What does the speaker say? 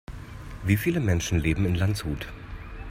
Wie viele Menschen leben in Landshut?